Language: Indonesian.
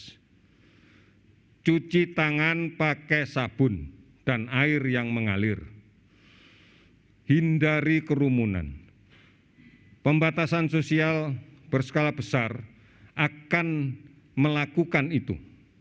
tugas cuci tangan pakai sabun dan air yang mengalir hindari kerumunan pembatasan sosial berskala besar akan melakukan itu